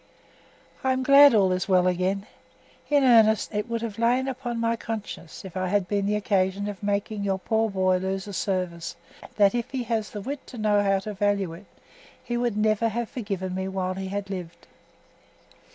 I am glad all is well again. In earnest, it would have lain upon my conscience if I had been the occasion of making your poor boy lose a service, that if he has the wit to know how to value it, he would never have forgiven me while he had lived.